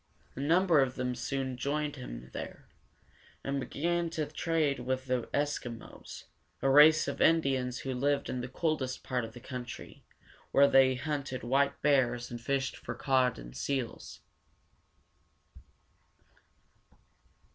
A number of them soon joined him there, and began to trade with the Es´ki mos, a race of Indians who lived in the coldest part of the country, where they hunted white bears and fished for cod and seals.